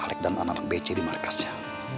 alik dan anak anak bc di markasnya